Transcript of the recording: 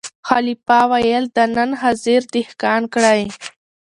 خلیفه ویل دا نن حاضر دهقان کړی